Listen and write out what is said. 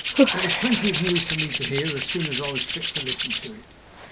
There was plenty of news for me to hear as soon as I was fit to listen to it.